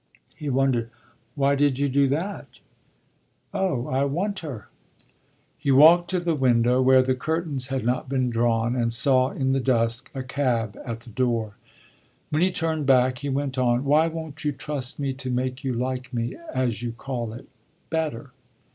He wondered. "Why did you do that?" "Oh I want her." He walked to the window, where the curtains had not been drawn, and saw in the dusk a cab at the door. When he turned back he went on: "Why won't you trust me to make you like me, as you call it, better?